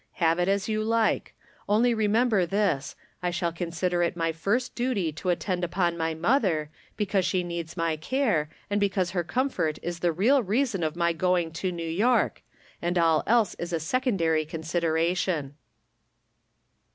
" Have it as you like ; only remember this : I shall consider it my first duty to attend upon my mother, because she needs my care, and because her comfort is the real reason of my going to New York, and all else is a secondary consideration."